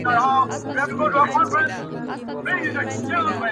یوه ورځ یې بحث پر خوی او پر عادت سو؛